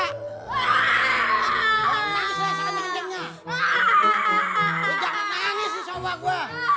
lo jangan nangis di sofa gue